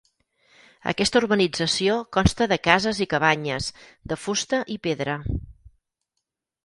Aquesta urbanització consta de cases i cabanyes, de fusta i pedra.